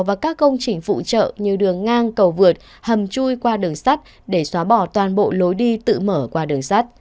và các công trình phụ trợ như đường ngang cầu vượt hầm chui qua đường sắt để xóa bỏ toàn bộ lối đi tự mở qua đường sắt